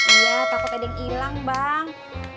iya takut ada yang hilang bang